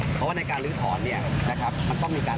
เพราะว่าในการลื้อหอดมันต้องมีการออกแปลกว่า